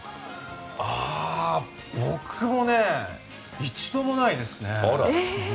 ああ、僕もね一度もないですね。